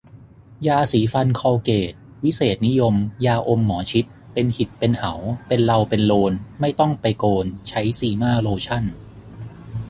ยาสีฟันคอลเกต วิเศษนิยม ยาอมหมอชิต เป็นหิดเป็น เหา เป็นเลาเป็นโลน ไม่ต้องไปโกน ใช้ซีม่าโลชั่น